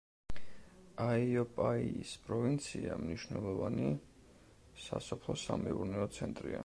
აიოპაიის პროვინცია მნიშვნელოვანი სასოფლო-სამეურნეო ცენტრია.